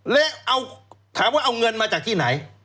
และถามว่าเอาเงินมาจากที่ไหน